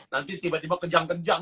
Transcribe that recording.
nanti tiba tiba kejang kejang